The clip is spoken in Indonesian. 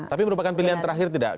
tapi merupakan pilihan terakhir tidak